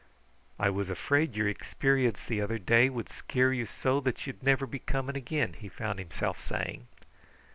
"I was afraid your ixperience the other day would scare you so that you'd never be coming again," he found himself saying.